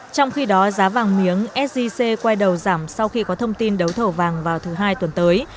trong khi đó giá vàng miếng sgc quay đầu giảm sau khi có thông tin đấu thầu vàng vào thứ hai tuần tới